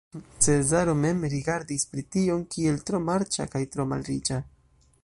Cezaro mem rigardis Brition kiel tro marĉa kaj tro malriĉa.